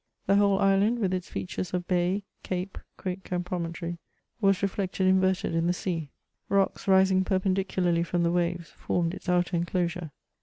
The whole island, with its features of bay, cape, creek and promontoiT» was reflected in verted in the sea. Rocks rising perpendicularly from the waves formed its outer enclosure.